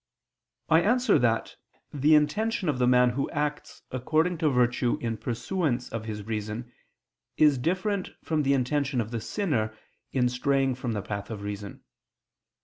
I answer that, The intention of the man who acts according to virtue in pursuance of his reason, is different from the intention of the sinner in straying from the path of reason.